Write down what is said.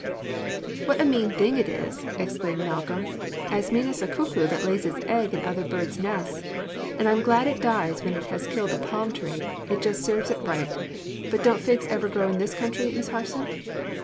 '" "What a mean thing it is!" exclaimed Malcolm "as mean as the cuckoo, that lays its eggs in other birds' nests. And I'm glad it dies when it has killed the palm tree; it just serves it right. But don't figs ever grow in this country, Miss Harson?"